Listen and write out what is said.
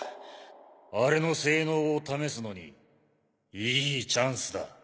アレの性能を試すのにいいチャンスだ。